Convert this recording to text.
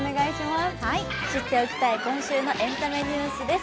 知っておきたい今週のエンタメニュースです。